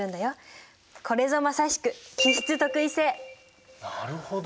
これぞまさしくなるほど。